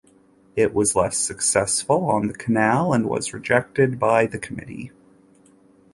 It was less successful on the canal and was rejected by the committee.